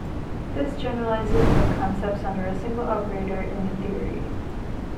This generalizes both concepts under a single operator in the theory.